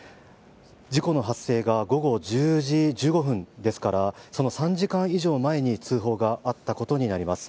事故の発生が午後１０時１５分ですからその３時間以上前に通報があったことになります。